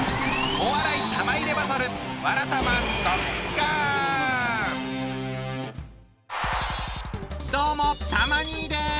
お笑い玉入れバトルどうもたま兄です。